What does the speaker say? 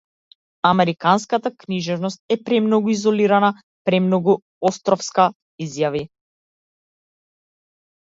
Американската книжевност е премногу изолирана, премногу островска, изјави.